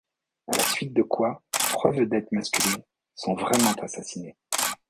À la suite de quoi, trois vedettes masculines, sont vraiment assassinées.